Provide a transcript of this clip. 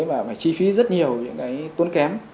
và phải chi phí rất nhiều những cái tốn kém